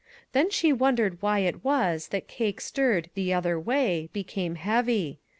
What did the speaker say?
Then she wondered Why it was that cake stirred " the other way " became heavy.